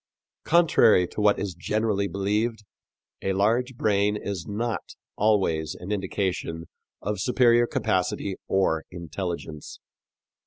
Contrary to what is generally believed, a large brain is not always an indication of superior capacity or intelligence.